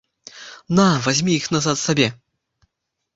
На, вазьмі іх назад сабе.